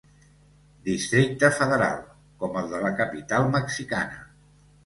Districte Federal, com el de la capital mexicana.